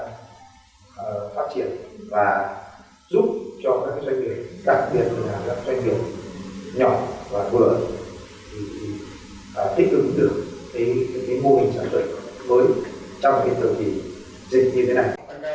các doanh nghiệp nhỏ và vừa thì thích ứng được những mô hình sản xuất mới trong thời kỳ dịch như thế này